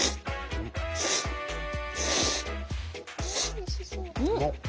おいしそう。